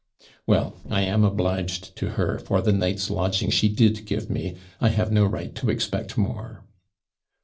'Well, I am obliged to her for the night's lodging she did give me; I have no right to expect more.'